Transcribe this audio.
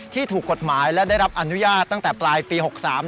ถูกกฎหมายและได้รับอนุญาตตั้งแต่ปลายปี๖๓